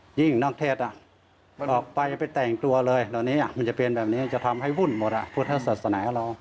จริงนอกเทศต้องไปแต่งตัวมันจะเป็นแบบนี้แบบนี้จะทำให้วุ่นพุทธศาสัณค์อันโหล